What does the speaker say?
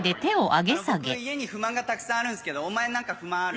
僕家に不満がたくさんあるんですけどお前何か不満ある？